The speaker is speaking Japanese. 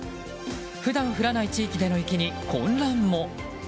普段降らない地域での雪に混乱も。